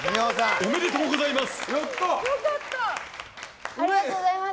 ありがとうございます。